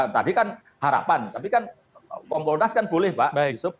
tadi kan harapan tapi kan kompolnas kan boleh pak yusuf